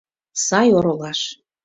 Сай оролаш!